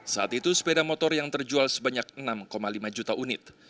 saat itu sepeda motor yang terjual sebanyak enam lima juta unit